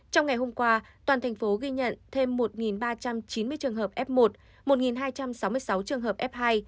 trong ngày hôm qua toàn thành phố ghi nhận thêm một ba trăm chín mươi trường hợp f một một hai trăm sáu mươi sáu trường hợp f hai